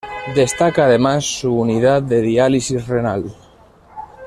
Destaca además su unidad de diálisis renal.